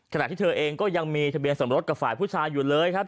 ขณะที่เธอเองก็ยังมีทะเบียนสมรสกับฝ่ายผู้ชายอยู่เลยครับ